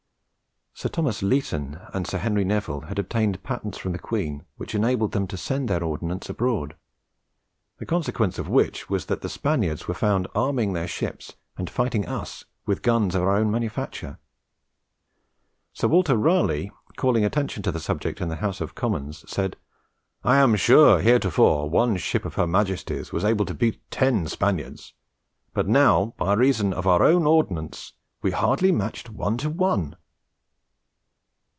Sir Thomas Leighton and Sir Henry Neville had obtained patents from the queen, which enabled them to send their ordnance abroad, the consequence of which was that the Spaniards were found arming their ships and fighting us with guns of our own manufacture. Sir Walter Raleigh, calling attention to the subject in the House of Commons, said, "I am sure heretofore one ship of Her Majesty's was able to beat ten Spaniards, but now, by reason of our own ordnance, we are hardly matcht one to one."